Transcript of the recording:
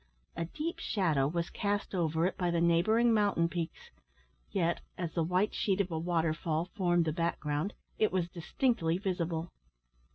A deep shadow was cast over it by the neighbouring mountain peaks, yet, as the white sheet of a waterfall formed the background, it was distinctly visible.